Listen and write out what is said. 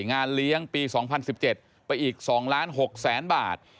งานเลี้ยงปี๒๐๑๗ไปอีก๒๖๐๐๐๐๐บาท